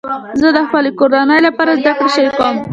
زه د خپلې کورنۍ لپاره زده کړه شریکوم.